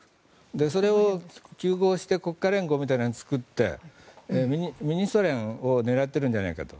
それを集合して国家連合みたいなのを作ってミニソ連を狙ってるんじゃないかと。